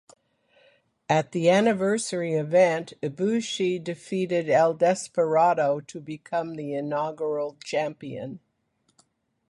At the anniversary event Ibushi defeated El Desperado to become the inaugural champion.